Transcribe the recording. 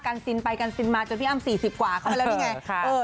กันซีนไปกันซีนมาจนพี่อ้ำสี่สิบกว่าเข้าไปแล้วเป็นไง